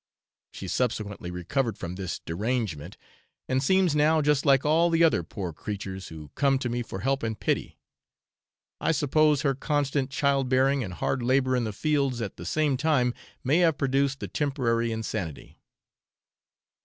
She subsequently recovered from this derangement, and seems now just like all the other poor creatures who come to me for help and pity. I suppose her constant child bearing and hard labour in the fields at the same time may have produced the temporary insanity.